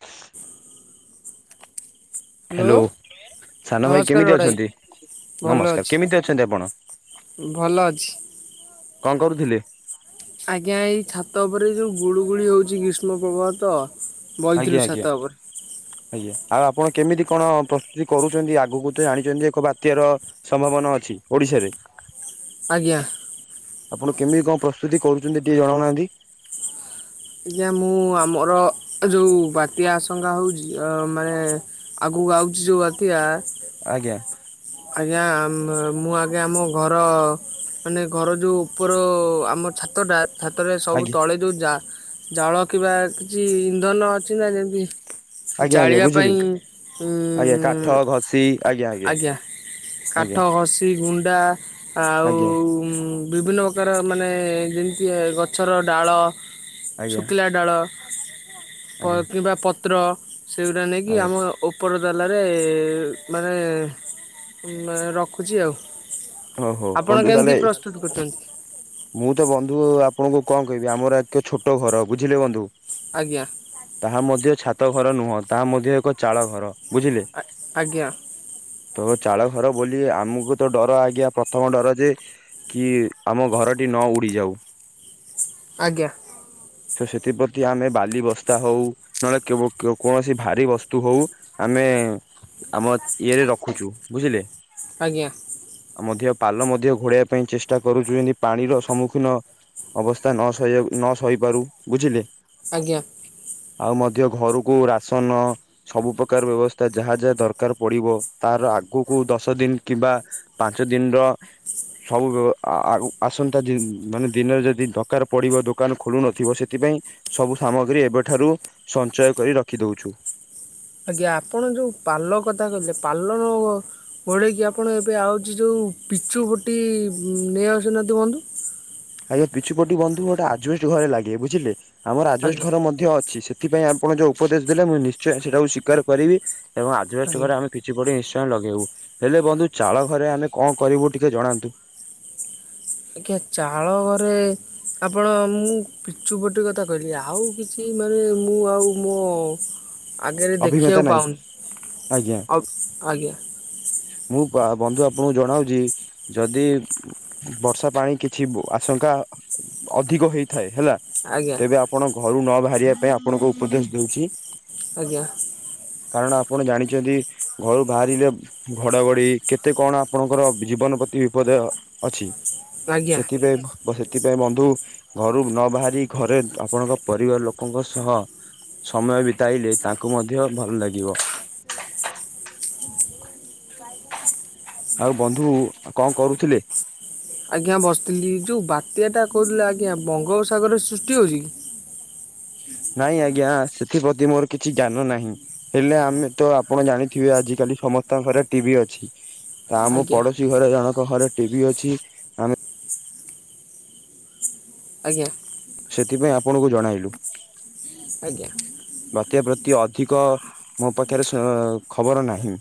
ହ ହ୍ୟାଲୋ। ସାନ ଭାଇ ନମସ୍କାର କେମିତି ବଡ଼ ଅଛନ୍ତି? ଭଲ ନମସ୍କାର ଅଛି କେମିତି ଅଛନ୍ତି ଆପଣ ଭଲ ଅଛି। କଁ କରୁଥିଲେ? ଆଜ୍ଞା ଏଇ ଛାତ ଉପରେ ଯୋଉ ଗୁଡୁ ଗୁଳି ହଉଛି ଗ୍ରୀଷ୍ମପ୍ରବଳ ତ। ବଇଥିଲୁ ଆଜ୍ଞା ଛାତ ଆଜ୍ଞା। ଉପରେ ଆଜ୍ଞା ଆଉ ଆପଣ କେମିତି କଣ ପ୍ରସ୍ତୁତି କରୁଛନ୍ତି ଆଗକୁ ତ ଜାଣିଚନ୍ତି ଏକ ବାତ୍ୟାର ସମ୍ଭାବନା ଅଛି ଓଡିଶାରେ। ଆଜ୍ଞା। ଆପଣ କେମିତି କଁ ପ୍ରସ୍ତୁତି କରୁଛନ୍ତି ଟିକେ ଜଣାଉନାହାନ୍ତି? ଆଜ୍ଞା ମୁଁ ଆମର ଯୋଉ ବାତ୍ୟା ଆଶଙ୍କା ହଉଛି ଆ ମାନେ ଆଗକୁ ଆଉଚି ଯୋଉ ବାତିଆ ଆଜ୍ଞା। ଆଜ୍ଞା ଆମ୍ ମୁଁ ଆଜ୍ଞା ଆମ ଘର ମାନେ ଘର ଯୋଉ ଉପର ଆମ ଛାତଟା ଛାତରେ ସବୁ ଆଜ୍ଞା ତଳେ ଯୋଉ ଜା ଜାଳ କିିବା କିଛି ଇନ୍ଧନ ଅଛି ନା ଯେମତି ଆଜ୍ଞା ଆଜ୍ଞା ଜାଳିଆ ବୁଝିଲି ପାଇଁ ଆଜ୍ଞା କାଠ ଉଁ ଘଷି ଆଜ୍ଞା। ଆଜ୍ଞା କାଠ ଘସି ଗୁଣ୍ଡା ଆଉ ଆଜ୍ଞା ଉଁ ବିଭିନ୍ନ ପ୍ରକାର ମାନେ ଯେମିତି ଗଛର ଡାଳ। ଆଜ୍ଞା ଶୁକିଲା ଡାଳ ପ ଆଜ୍ଞା କିମ୍ବା ପତ୍ର ସେଗୁରା ନେଇକି ଆଜ୍ଞା ଆମ ଓପର ତାଲାରେ ମାନେ ଉଁ ରଖୁଚି ଆଉ। ହଉ ହଉ ଆପଣ ବନ୍ଧୁ କେମିତି ତାହେଲେ ପ୍ରସ୍ତୁତ କରୁଚନ୍ତି? ମୁଁ ତ ବନ୍ଧୁ ଆପଣଙ୍କୁ କଁ କହିବି ଆମର ଏତେ ଛୋଟ ଘର ବୁଝିଲେ ବନ୍ଧୁ? ଆଜ୍ଞା। ତାହା ମଧ୍ୟ ଛାତଘର ନୁହଁ ତାହା ମଧ୍ୟ ଏକ ଚାଳଘର ବୁଝିଲେ। ଆଜ୍ଞା ତ ଚାଳଘର ବୋଲି ଆମକୁ ତ ଡର ଆଜ୍ଞା ପ୍ରଥମ ଡର ଯେ କି ଆମ ଘରଟି ନ ଉଡିଯାଉ। ଆଜ୍ଞା। ତ ସେଥିପ୍ରତି ଆମେ ବାଲି ବସ୍ତା ହଉ ନହେଲେ କେବୁ କୋ କୋଣସି ଭାରି ବସ୍ତୁ ହଉ ଆମେ ଆମ ଇଏରେ ରଖୁଚୁ ବୁଝିଲେ? ଆଜ୍ଞା। ମଧ୍ୟ ପାଲ ମଧ୍ୟ ଘୋଡେଇଆ ପାଇଁ ଚେଷ୍ଟା କରୁଚୁ ଯେନ୍ତି ପାଣିର ସମ୍ମୁଖୀନ ଅବସ୍ତା ନ ସହିଆକୁ ନ ସହିପାରୁ ବୁଝିଲେ? ଆଜ୍ଞା। ଆଉ ମଧ୍ୟ ଘରୁକୁ ରାସନ ସବୁ ପ୍ରକାର ବେବସ୍ତା ଯାହା ଯାହା ଦରକାର ପଡିବ ତାର ଆଗକୁ ଦଶ ଦିନ କିମ୍ବା ପାଞ୍ଚ ଦିନର ସବୁ ବ ଆ ଆ ଉ ଆସନ୍ତା ଦିନ୍ ମାନେ ଦିନରେ ଯଦି ଦରକାର ପଡିବ ଦୋକାନ ଖୋଲୁନଥିବ ସେଥିପାଇଁ ସବୁ ସାମଗ୍ରୀ ଏବେଠାରୁ ସଞ୍ଚୟ କରି ରଖିଦଉଛୁ। ଆଜ୍ଞା ଆପଣ ଯୋଉ ପାଲ କଥା କହିଥିଲେ ପାଲ ଓଳେଇକି ଆପଣ ଏବେ ଆଉଚି ଯୋଉ ପିଚୁ ଗୋଟି ନେଇ ଆସୁନାହାତିି ବନ୍ଧୁ। ଆଜ୍ଞା ପିଚୁ ପତୁ ବନ୍ଧୁ ଗୋଟେ ଆଜବେଷ୍ଟ ଘରେ ଲାଗେ ବୁଝିଲେ ଆମର ଆଜବେଷ୍ଟ ଆଜ୍ଞା ଘର ମଧ୍ୟ ଅ ଛି ସେଥିପାଇଁ ଆପଣ ଯୋଉ ଉପଦେଶ ଦେଲେ ମୁଁ ନିଶ୍ଚୟ ସେଇଟାକୁ ସ୍ୱୀକାର କରିବି ଏବଂ ଆଜବେଷ୍ଟ ଆଜ୍ଞା ଘରେ ଆମେ ପିଚୁ ପଟି ନିଶ୍ଚୟ ଲଗେଇବୁ ହେଲେ ବନ୍ଧୁ ଚାଳଘରେ ଆମେ କଣ କରିବୁ ଟିକେ ଜଣାନ୍ତୁ। ଟିକିଏ ଚାଳଘରେ ଆପଣ ମୁଁ ପିଚୁପଟି କଥା କଇଲି ଆଉ କିଛି ମାନେ ମୁଁ ଆଉ ମୋ ଆଗେରେ ଅଭିଜ୍ଞତା ଦେଖିଆକୁ ନାହିଁ ପାଉନି ଆଜ୍ଞା ଆଉ ଆଜ୍ଞା। ମୁଁ ପା ବନ୍ଧୁ ଆପଣଙ୍କୁ ଜଣାଉଚି ଯଦି ବର୍ଷା ପାଣି କିଛି ବ ଆଶଙ୍କା ଅଧିକ ବି ହେଇଥାଏ ହେଲା ଆଜ୍ଞା ତେବେ ଆପଣ ଘରୁ ନ ବାହାରିବା ପାଇଁ ଆପଣଙ୍କୁ ଉପଦେଶ ଦଉଚି। ଆଜ୍ଞା। କାରଣ ଆପଣ ଜାଣିଚନ୍ତି ଘରୁ ବାହାରିଲେ ଘଡଘଡି କେତେ କଣ ଆପଣଙ୍କର ଜୀବନ ପ୍ରତି ବିପଦ ଅଛି ଆଜ୍ଞା ସେଥିରେ ବସେ ସେଥିପାଇଁ ବନ୍ଧୁ ଘରୁ ନ ବାହାରି ଘରେ ଆପଣଙ୍କ ପରିବାର ଲୋକଙ୍କ ସହ ସମୟ ବିତାଇଲେ ତାଙ୍କୁ ମଧ୍ୟ ଭଲ ଲାଗିବ। [inaudible] ଆଉ ବନ୍ଧୁ କଣ କରୁଥିଲେ। ଆଜ୍ଞା ବସିଥିଲି ଯୋଉ ବାତ୍ୟାଟା କହୁଥିଲେ ଆଜ୍ଞା ବଙ୍ଗୋପସାଗରରେ ସୃଷ୍ଟି ହଉଚି କି। ନାଇଁ ଆଜ୍ଞା ସେଥିପ୍ରତି ମୋର କିଛି ଜ୍ଞାନ ନାହିଁ। ହେଲେ ଆମେ ତ ଆପଣ ଜାଣିଥିବେ ଆଜି କାଲି ସମସ୍ତଙ୍କ ଘରେ ଟିବି ଅଛି। ଆମ ଆଜ୍ଞା ପଡୋଶୀ ଘରେ ଜଣଙ୍କ ଘରେ ଟିବି ଅଛି। ଆମେ ଆଜ୍ଞା। ସେଥିପାଇଁ ଆପଣଙ୍କୁ ଜଣାଇଲୁ। ଆଜ୍ଞା। ବାତ୍ୟା ପ୍ରତି ଅଧିକ ମୋ ପାଖରେ ସ ଖବର ନାହିଁ।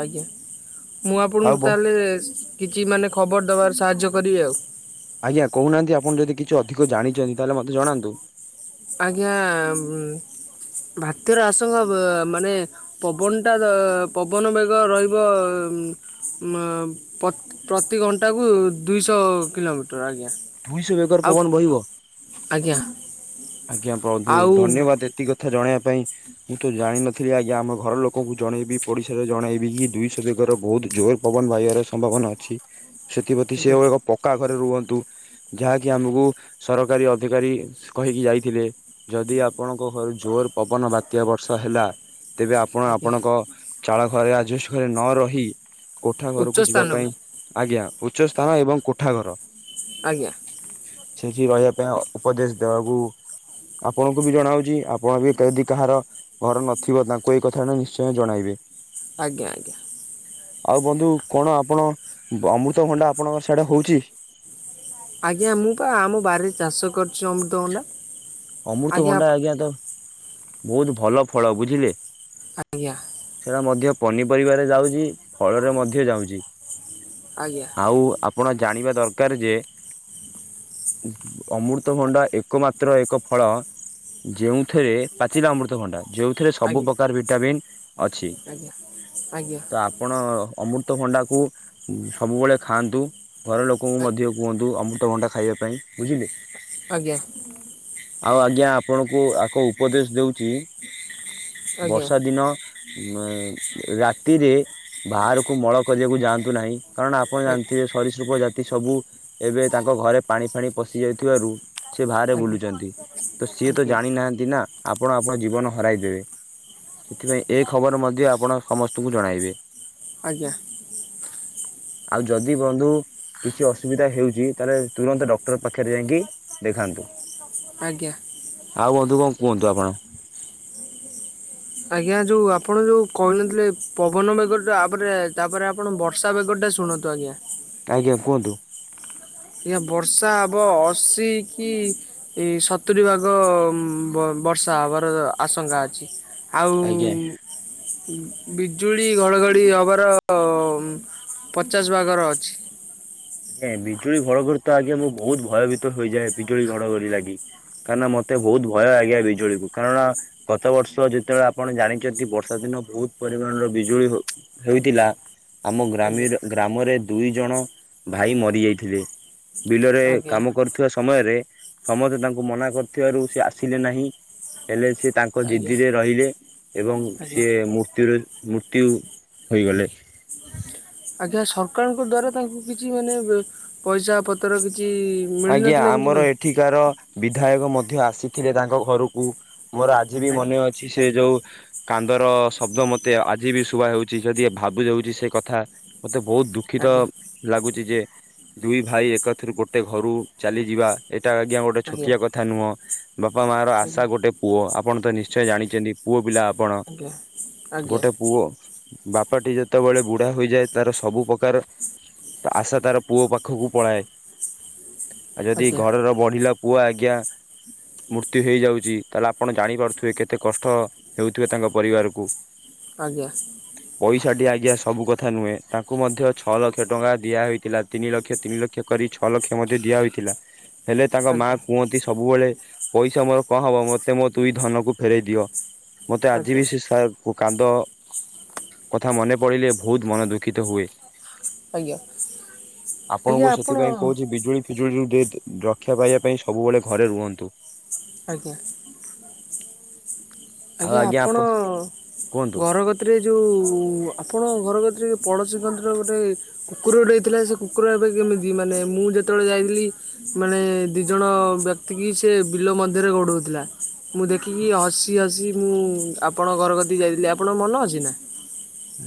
ଆଜ୍ଞା ମୁଁ ଆଉ ଆପଣଙ୍କୁ ବ ତାହେଲେ କିଛି ମାନେ ଖବର ଦବାରେ ସାହାଯ୍ୟ କରିବି ଆଉ। ଆଜ୍ଞା କହୁନାହାନ୍ତି ଆପଣ ଯଦି କିଛି ଅଧିକ ଜାଣିଛନ୍ତି ତାହେଲେ ମତେ ଜଣାନ୍ତୁ। ଆଜ୍ଞା ଭାତ୍ୟାର ଆସଙ୍କ ଅବ୍ ମାନେ ପବନଟା ପବନ ବେଗ ରହିବ ମ ଅମ୍ ପତ ପ୍ରତି ଘଣ୍ଟା କୁ ଦୁଇଶହ କିଲୋମିଟର ଆଜ୍ଞା। ଦୁଇଶହ ବେଗର ଆଉ ପବନ ବହିବ। ଆଜ୍ଞା। ଆଜ୍ଞା ବନ୍ଧୁ ଆଉ ଧନ୍ୟବାଦ ଏତିକ କଥା ଜଣେଇବା ପାଇଁ। ମୁଁ ତ ଜାଣିନଥିଲି ଆଜ୍ଞା ଆମ ଘର ଲୋକଙ୍କୁ ଜଣେଇବି ପଡ଼ିଶାରେ ଜଣେଇବି ଇଏ ଦୁଇଶହ ବେଗର ବହୁତ ଜୋର ପବନ ବାହିବାର ସମ୍ଭାବନା ଅଛି। ସେଥିପ୍ରତି ଆଜ୍ଞା ସେଉ [unintelligible] ଏକ ପକ୍କା ଘରେ ରୁହନ୍ତୁ ଯାହାକି ଆମକୁ ସରକାରୀ ଅଧିକାରୀ କହିକି ଯାଇଥିଲେ ଯଦି ଆପଣଙ୍କ ଘରୁ ଜୋର ପବନ ବାତ୍ୟା ବର୍ଷା ହେଲା। ତେବେ ଆପଣ ଆଜ୍ଞା ଆପଣଙ୍କ ଚାଳ ଘରେ ଆଜବେଷ୍ଟ୍ ଘରେ ନ ରହି କୋଠା ଉଚ୍ଚ ଘରକୁ ଯିବା ସ୍ଥାନକୁ ପାଇଁ ଆଜ୍ଞା ଉଚ୍ଚ ସ୍ଥାନ ଏବଂ କୋଠା ଘର। ଆଜ୍ଞା। ସେଠି ରହିବା ପାଇଁ ଉପଦେଶ ଦେବାକୁ ଆପଣଙ୍କୁ ବି ଜଣାଉଛି ଆପଣ ବିତ ଯଦି କାହାର ଘର ନଥିବ ତାଙ୍କୁ ଏଇ କଥାଟ ନିଶ୍ଚୟ ଜଣାଇବେ। ଆଜ୍ଞା ଆଜ୍ଞା। ଆଉ ବନ୍ଧୁ କଣ ଆପଣ ଅମୃତଭଣ୍ଡା ଆପଣଙ୍କ ସଇଡ଼େ ହଉଚି। ଆଜ୍ଞା ମୁଁ ପା ଆମ ବାରିରେ ଚାଷ କରିୁଛି ଅମୃତଭଣ୍ଡା। ଅମୃତଭଣ୍ଡା ଆଜ୍ଞା ତ ବହୁତ ଭଲ ଫଳ ବୁଝିଲେ। ଆଜ୍ଞା। ସେଇଟା ମଧ୍ୟ ପନିପରିବାରେ ଯାଉଛି ଫଳରେ ମଧ୍ୟ ଯାଉଛି। ଆଜ୍ଞା। ଆଉ ଆପଣ ଜାଣିବା ଦରକାର୍ ଯେ ଅମୃତଭଣ୍ଡା ଏକମାତ୍ର ଏକ ଫଳ ଯେଉଁଥିରେ ପାଚିଲା ଅମୃତଭଣ୍ଡା ଯେଉଁଥିରେ ସବୁ ଆଜ୍ଞା ପ୍ରକାର ଭିଟାମିନ୍ ଅଛି। ଆଜ୍ଞା -ଆଜ୍ଞା। ତ ଆପଣ ଅମୃତଭଣ୍ଡାକୁ ସବୁବେଳେ ଖାଆନ୍ତୁ ଘର ଲୋକଙ୍କୁ ମଧ୍ୟ କୁହନ୍ତୁ ଅମୃତଭଣ୍ଡା ଖାଇବା ପାଇଁ ବୁଝିଲେ। ଆଜ୍ଞା। ଆଉ ଆଜ୍ଞା ଆପଣଙ୍କୁ ଆ-କ ଉପଦେଶ୍ ଦଉଚି ବର୍ଷା ଦିନ ଉଁ -ରାତିରେ ବାହାରକୁ ମଳ କରିବାକୁ ଯାଆନ୍ତୁ ନାହିଁ। କାରଣ ଆପଣ ଜାଣିଥିବେ ସରୀସୃପ ଜାତି ସବୁ ଏବେ ତାଙ୍କ ଘରେ ପାଣି ଫାଣି ପଶି ଯାଇଥିବାରୁ ସେ ବାହାରେ ବୁଲୁଚନ୍ତି ତ ସିଏ ତ ଜାଣି ଆଜ୍ଞା ନାହାନ୍ତି ନା ଆପଣ ଆପଣଙ୍କ ଜୀବନ ହରାଇ ଦେବେ। ସେଥିପାଇଁ ଏ ଖବର ମଧ୍ୟ ଆପଣ ସମସ୍ତଙ୍କୁ ଜଣାଇବେ। ଆଜ୍ଞା। ଆଉ ଯଦି ବନ୍ଧୁ କିଛି ଅସୁବିଧା ହେଉଚି ତାହେଲେ ତୁରନ୍ତ ଡକ୍ଟର ପାଖରେ ଯାଇକି ଦେଖାନ୍ତୁ। ଆଜ୍ଞା। ଆଉ ବନ୍ଧୁ କଣ କୁହନ୍ତୁ ଆପଣ? ଆଜ୍ଞା ଯଉ ଆପଣ ଯଉ କହିନଥିଲେ ପବନ ମେଘ ତାପରେ- ତାପରେ ଆ ଆପଣ ବର୍ଷା ବେଗ ଟା ଶୁଣନ୍ତୁ ଆଜ୍ଞା। ଆଜ୍ଞା କୁହନ୍ତୁ। ଇଏ ବର୍ଷା ହବ ଅସି କି ଏଇ ସତୁରି ଭାଗ ଉଁ- ବ-ବର୍ଷା ହବାର ଆଶଙ୍କା ଅଛି। ଆଉ ଆଜ୍ଞା। ବିଜୁଳି ଘଡ଼ଘଡ଼ି ହବାର ପଚାଶ୍ ଭାଗର ଅଛି। ଏଁ- ବିଜୁଳି ଘଡ଼ଘଡ଼ି ତ ଆଜ୍ଞା ମୁଁ ବହୁତ୍ ଭୟଭୀତ ହେଇଯାଏ ବିଜୁଳି ଘଡଘଡି ଲାଗି। କାହିଁକିନା ମତେ ବହୁତ ଭୟ ଲାଗେ ବିଜୁଳିକୁ କାରଣ ଗତ ବର୍ଷ ଯେତେବେଳେ ଆପଣ ଜାଣିଚନ୍ତି ବର୍ଷା ଦିନ ବହୁତ୍ ପରିମାଣର ବିଜୁଳି ହ ଆମ ଆଜ୍ଞା ଗ୍ରାମିରେ- ଗ୍ରାମରେ ଦୁଇ ଜଣ ଭାଇ ମରି ଯାଇଥିଲେ। ବିଲରେ ଆଜ୍ଞା କାମ କରୁଥିବା ସମୟରେ ସମସ୍ତେ ତାଙ୍କୁ ମନା କରୁଥିବାରୁ ସେ ଆସିଲେ ନାହିଁ। ହେଲେ ସିଏ ତାଙ୍କ ଆଜ୍ଞା ଜିଦିରେ ରହିଲେ ଏବଂ ଆଜ୍ଞା ସିଏ ମୃତ୍ୟୁର- ମୃତ୍ୟୁ ହୋଇଗଲେ। ଆଜ୍ଞା ସରକାରଙ୍କ ଦ୍ଵାରା ତାଙ୍କୁ କିଛି ମାନେ ପଇସା ପତ୍ ତର କିଛି ମିଳିନଥିଲା କି ପାଇଁ। ଠାର ବିଧାୟକ ମଧ୍ୟ ଆସିଥିଲେ ତାଙ୍କ ଘରକୁ୍। ମୋର ଆଜି ବି ଆଜ୍ଞା ମନେ ଅଛି ସେ ଯଉ କାନ୍ଦର ଶବ୍ଦ ମତେ ଆଜି ବି ଶୁଭା ଯାଉଚି ଯଦି ଭାବି ଦଉଚି ସେ କଥା ମତେ ବହୁତ୍ ଦୁଃଖିତ ଆଜ୍ଞା ଲାଗୁଚି ଯେ ଦୁଇ ଭାଇ ଏକଥିରୁ ଗୋ ଟେ ଘରୁ ଚାଲିଯିବା ଏଟା ଆଜ୍ଞା ଗୋଟେ ଛୋଟିଆ କଥା ନୁହଁ। ବାପା ମା ର ଆଶା ଆଜ୍ଞା। ଗୋଟେ ପୁଅ ଆପଣ ତ ନିଶ୍ଚୟ ଜାଣିଚନ୍ତି ପୁଅ ପିଲା ଆପଣ। ଆଜ୍ଞା ଆଜ୍ଞା ଗୋଟେ ପୁଅ ବାପାଟି ଯେତେବେଳେ ବୁଢା ହୋଇଯାଏ ତାର ସବୁ ପକାର ତ ଆଶା ତାର ପୁଅ ପାଖୁକୁ ପଳାଏ। ଆ -ଯଦି ଆଜ୍ଞା ଘରର ବଢିଲା ପୁଅ ଆଜ୍ଞା ମୃତ୍ୟୁ ହେଇଯାଉଚି ତାହେଲେ ଆପଣ ଜାଣିପାରୁଥିବେ କେତେ କଷ୍ଟ ହେଉଥିବ ତାଙ୍କ ପରିବାରକୁ। ଆଜ୍ଞା। ପଇସାଟି ଆଜ୍ଞା ସବୁ କଥା ନୁହେଁ ତାଙ୍କୁ ମଧ୍ୟ ଛଅ ଲକ୍ଷ ଟଙ୍କା ଦିଆହୋଇଥିଲା ତିନିିଲକ୍ଷ- ତିନିଲକ୍ଷ କରି ଛଅ ଲକ୍ଷ ମଧ୍ୟ ଦିଆହୋଇଥିଲା ହେଲେ ତାଙ୍କ ମା ଆଜ୍ଞା କୁହନ୍ତି ସବୁବଳେ ପଇସା ମର୍ କ ହବ, ମତେ ମୋ ଦୁଇ ଧନକୁ ଫେରେଇ ଦିଅ। ମତେ ଆଜି ଆଜ୍ଞା ବି ସେ ସା କାନ୍ଦ କଥା ମନେ ପଡ଼ିଲେ, ଭଉତ୍ ମନ ଦୁଃଖିତ ହୁଏ। ଆଜ୍ଞା ଆଜ୍ଞା ଆପଣଙ୍କୁ ଆପଣ ସେଥି ପାଇଁ କହୁଚି ଜୁଳି ଫିଜୁଳିରୁ ରକ୍ଷା ପାଇବା ପାଇଁ, ସବୁବଳେ ଘରେ ରୁହନ୍ତୁ। ଆଜ୍ଞା। ଆଜ୍ଞା, ଆପଣ [inaudible] କୁହନ୍ତୁ। କୁକୁର-----ଥିଲା, ସେ କୁକୁର ଏବେ କେମିତି? ମାନେ ମୁଁ ଯେତ---ଳେ ଯାଇଥିଲି। ମାନେ ଦି ଜଣ ବ୍ୟକ୍ତି କି ସେ ବିଲ ମଧ୍ୟରେ ଗୋଡ଼ଉ ଥିଲା। ମୁଁ ଦେଖିକି, ହସି ହସି ମୁଁ ଆପଣ ଘର କତିକି ଯାଇଥିଲି। ଆପଣଙ୍କ ମନେ ଅଛି ନା?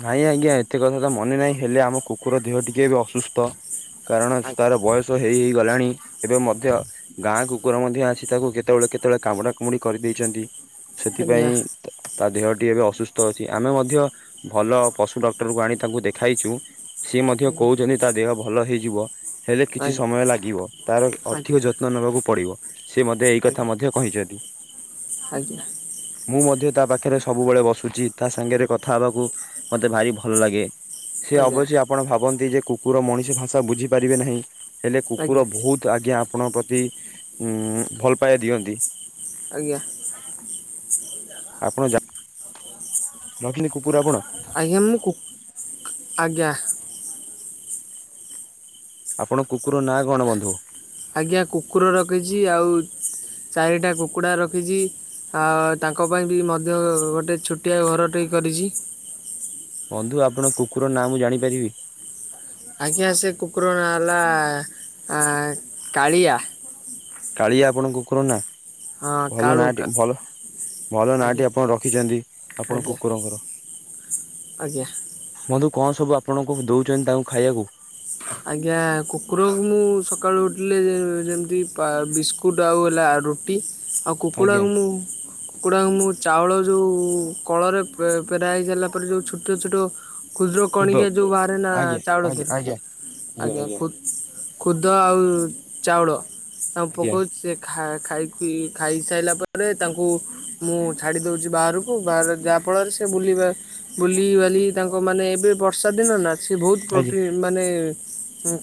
ନାଇଁ ଆଜ୍ଞା ଏତେ କଥା ତ ମନେ ନାହଁ, ହେଲେ ଆମ କୁକୁର ଦେହ ଟିକେ ଏବେ ଅସୁସ୍ଥ। କାରଣ ତା'ର ବୟସ ହେଇ ଗଲାଣି। ଏବେ ମଧ୍ୟ ଗାଁ କୁକୁର ମଧ୍ୟ ଆସି ତାକୁ କେତବଳେ କେତ--ଳେ କାମୁଡ଼ା କୁମୁଡ଼ି କରି ଦେଇଚନ୍ତି। ଆଜ୍ଞା ଆଜ୍ଞା ସେଥିପାଇଁ ତା ଦେହଟି ଏବେ ଅସୁସ୍ଥ ଅଛି। ଆମେ ମଧ୍ୟ ଭଲ ପଶୁ ଡକ୍ଟରକୁ ଆଣି ତାକୁ ଦେଖାଇଚୁ। ସିଏ ମଧ୍ୟ କଉଚନ୍ତି ତା' ଦେହ ଭଲ ହେଇଯିବ। ହେଲେ ଆଜ୍ଞା କିଛି ଆଜ୍ଞା ସମୟ ଲାଗିବ, ତା'ର ଅଧିକ ଆଜ୍ଞା ଯତ୍ନ ବାକୁ ପଡ଼ିବ। ସେ ମତେ ଏହି କଥା ମଧ୍ୟ କହିଚତି। ଆଜ୍ଞା ଆଜ୍ଞା ମୁଁ ମଧ୍ୟ ତା'ପାଖରେ ସବୁବେଳେ ବସୁଚି, ତା'ସାଙ୍ଗେରେ କଥା ହେବାକୁ ମତେ ଭାରି ଭଲ୍‌ ଲାଗେ। ଆଜ୍ଞା ଅବଶ୍ୟ ଆପଣ ଭାବନ୍ତି ଯେ, କୁକୁର ମଣିଷ ଭାଷା ବୁଝିପାରିବେ ନାହିଁ। ହେଲେ ଆଜ୍ଞା କୁକୁର ବହୁତ୍ ଆଜ୍ଞା ଆପଣଙ୍କ ପ୍ରତି ଉଁ ଭଲ୍ ପାଇବା ଦିଅନ୍ତି। ଆଜ୍ଞା। [unintelligible] [inaudible] ଆପଣ କୁକୁର ନାଁ କ'ଣ ବନ୍ଧୁ? ଆଜ୍ଞା, କୁକୁର ରଖିଚି। ଚାରିଟା କୁକୁଡ଼ା ରଖିଚି, ତାଙ୍କ ପାଇଁ ବି ମଧ୍ୟ ଗୋଟେ ଛୁ [inaudible] ବନ୍ଧୁ, ଆପଣ କୁକୁର ନାଁ ମୁଁ ଜାଣିପାରିବି। ଆଜ୍ଞା, ସେ କୁକୁର ହେଲା କାଳିଆ। କାଳିଆ ଆପଣ କୁକୁର ନାଁ। ହଁ ଭଲ କାଳୁ ନାଁ ଭଲ ଆଜ୍ଞା ନାଁଟି ଆପଣ ରଖିଚନ୍ତି, ଆପଣ ଆଜ୍ଞା କୁକୁର ଙ୍କର। ଆଜ୍ଞା। ବନ୍ଧୁ କ'ଣ ସବୁ ଆପଣଙ୍କୁ ଦଉଚନ୍ତି, ତାଙ୍କୁ ଖାଇ--କୁ? ଆଜ୍ଞା, କୁକୁରକୁ ମୁଁ ସକାଳୁ ଉଠିଲେ। ଯେମ୍ତି ବିସ୍କୁ କୁଟ୍ ଆଉ ହେଲା ରୁଟି, ଆଉ କୁକୁଡ଼ା ଆଜ୍ଞା କୁ ମୁଁ କୁକୁଡ଼ା ମୁଁ ଚାଉଳ ଯଉ କଳରେ----ପେରା ହେଇ ସା--ଲା ପରେ। ଯଉ ଛୁଟ ଛୁଟ ଖୁଦ୍ର ଖୁଦ କଣିକି ଯଉ ବାହାରେ ନା ଆଜ୍ଞା ଚାଉଳ ଆଜ୍ଞା ଦେ-ରୁ, ଆଜ୍ଞା ଆଜ୍ଞା। ଖୁଦ ଆଉ ଚାଉଳ ତାଙ୍କୁ ଆଜ୍ଞା ପକାଉ [inaudible] ମୁଁ ଛାଡ଼ି ଦଉଚି ବାହାରକୁ, ଯାହା ଫଳରେ ସେ ବୁଲିବେ। ବୁଲିି ବାଲି ତାଙ୍କ ମାନେ ଏବେ ବର୍ଷା ଦିନ ନା। ବହୁତ୍ ଆଜ୍ଞା। ମାନେ,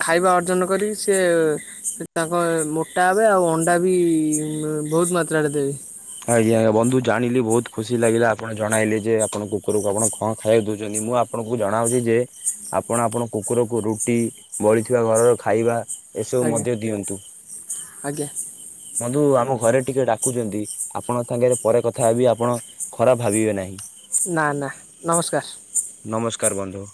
ଖାଇବା ଅର୍ଜନ କରି। ସିଏ ତାଙ୍କ ମୋଟା ହେବେ, ଆଉ ଅଣ୍ଡା ବି ବହୁତ୍ ମାତ୍ରାରେ ଦେବେ। ଆଜ୍ଞା ବନ୍ଧୁ ଜାଣିଲି, ବହୁତ୍ ଖୁସି ଲାଗିଲା ଆପଣ ଜଣାଇଲେ ଯେ, ଆପଣ କୁକୁରକୁ ଆପଣ କ'ଣ ଖାଇବା ଦଉଚନ୍ତି। ମୁଁ ଆପଣଙ୍କୁ ଜଣାଉଚି ଯେ, ଆପଣ ଆପଣ କୁକୁରକୁ ରୁଟି ବଳିଥିବା ଘରର ଖାଇବା। ଏସବୁ ଆଜ୍ଞା ମଧ୍ୟ ଦିଅନ୍ତୁ, ଆଜ୍ଞା ବନ୍ଧୁ ଆମ ଘରେ ଟିକେ ଡ଼ାକୁଚନ୍ତି। ଆପଣଙ୍କ ଥାଙ୍ଗେରେ ପରେ କଥା ହେବି, ଆପଣ ଖରାପ୍ ଭାବିବେ ନାହିଁ। ନା ନା, ନମସ୍କାର୍। ନମସ୍କାର୍ ବନ୍ଧୁ!